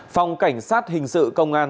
phòng cảnh sát hình sự công an